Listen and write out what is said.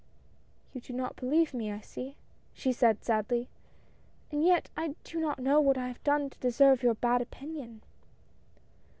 " You do not believe me, I see," she said, sadly, " and yet I do not know what I have done to deserve your bad opinion."